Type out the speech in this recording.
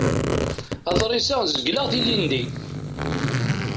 Aḍris-a zegleɣ-t ilindi.